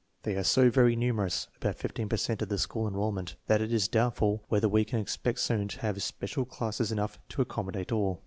They are so very numerous (about 15 per cent of the school enrollment) that it is doubtful whether we can expect soon to have special classes enough to ac commodate all.